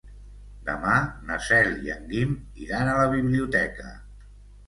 Demà na Cel i en Guim iran a la biblioteca.